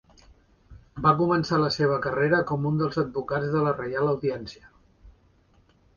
Va començar la seva carrera com un dels advocats de la Reial Audiència.